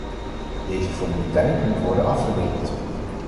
Deze formaliteit moet worden afgewikkeld.